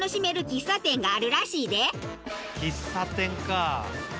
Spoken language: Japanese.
喫茶店か。